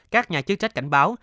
các nhà chức trách cảnh báo